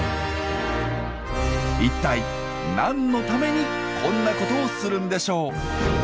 一体何のためにこんなことをするんでしょう？